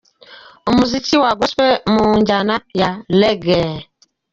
umuziki wa Gospel mu njyana ya Reggae.